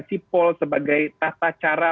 sipol sebagai tata cara